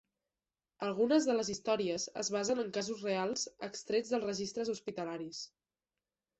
Algunes de les històries es basen en casos reals extrets dels registres hospitalaris.